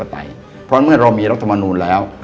เพราะฉะนั้นเมื่อเรามีรัฐมนุษย์แล้ว